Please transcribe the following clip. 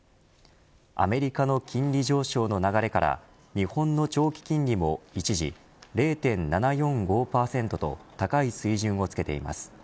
アメリカの金利上昇の流れから日本の長期金利も一時０．７４５％と高い水準をつけています。